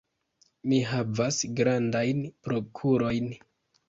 Ni havas grandajn prokurojn.